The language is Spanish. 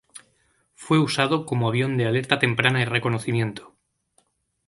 Fue usado como avión de alerta temprana y reconocimiento.